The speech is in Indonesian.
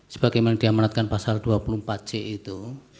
sebagaimana diamanatkan pasal dua puluh empat c itu